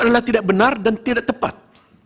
adalah tidak benar dan tidak tepat